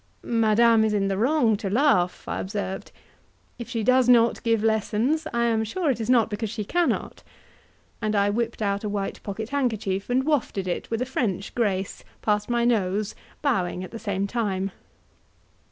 "Madame is in the wrong to laugh," I observed; "if she does not give lessons, I am sure it is not because she cannot;" and I whipped out a white pocket handkerchief and wafted it, with a French grace, past my nose, bowing at the same time.